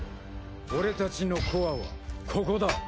俺たちのコアはここだ。